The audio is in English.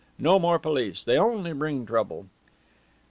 No more police. They only bring trouble."